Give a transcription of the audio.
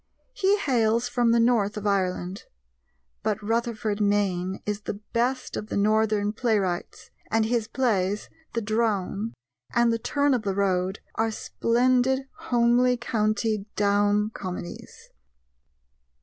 He hails from the north of Ireland; but Rutherford Mayne is the best of the Northern playwrights, and his plays, The Drone and The Turn of the Road, are splendid homely county Down comedies.